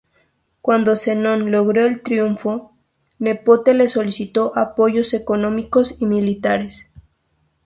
Cuando Zenón logró el triunfo, Nepote le solicitó apoyos económicos y militares.